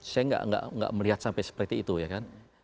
saya nggak melihat sampai seperti itu ya kan